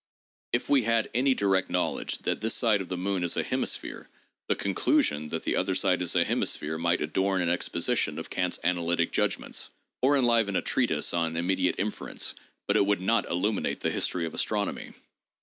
If we had any direct knowledge that this side of the moon is a hemisphere, the "conclusion" that the other side is a hemisphere might adorn an exposition of Kant's analytic judgments, or enliven a treatise on "immediate inference," but it would not illuminate the history of astronomy.